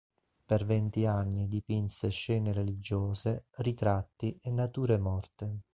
Per venti anni dipinse scene religiose, ritratti e nature morte.